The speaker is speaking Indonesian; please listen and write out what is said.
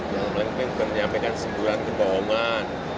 yang paling penting bukan menyampaikan sempuran kebohongan